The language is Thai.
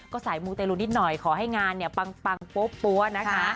ก็สายมูตรุนิดหน่อยขอให้งานเนี้ยปังปังโป๊บปัวนะคะ